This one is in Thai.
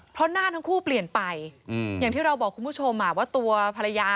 เพราะหน้าทั้งคู่เปลี่ยนไปอย่างที่เราบอกคุณผู้ชมว่าตัวภรรยา